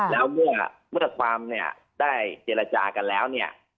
แล้วเมื่อความเนี่ยได้เจรจากันแล้วเนี่ย